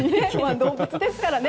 動物ですからね。